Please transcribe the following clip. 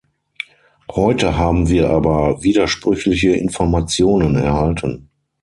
Heute haben wir aber widersprüchliche Informationen erhalten.